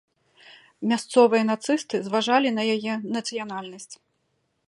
Мясцовыя нацысты зважалі на яе нацыянальнасць.